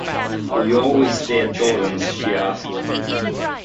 “Will you always stay at Jordan’s?” she asked.